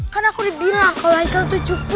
kan aku dibilang kalau aika tuh cupu